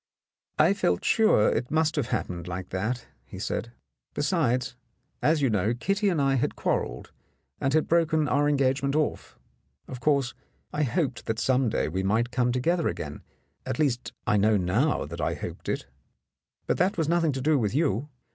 "I felt sure it must have happened like that," he said. "Besides, as you know, Kitty and I had quar relled and had broken our engagement off. Of course, I hoped that some day we might come together again — at least, I know now that I hoped it. But that was nothing to do with you.